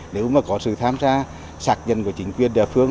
nếu mà có sự tham gia sạc nhân của chính quyền đa phương